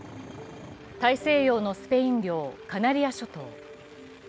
大西洋のスペイン領カナリヤ諸島。